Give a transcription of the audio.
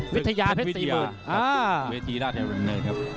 วิทยาเพชร๔๐๐๐๐ครับเวทีด้านแถวนี้ครับ